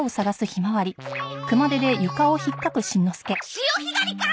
潮干狩りかっ！